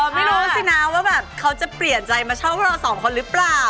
ไม่รู้สินะว่าแบบเขาจะเปลี่ยนใจมาชอบพวกเราสองคนหรือเปล่า